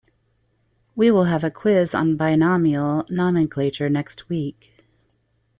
We will have a quiz on binomial nomenclature next week.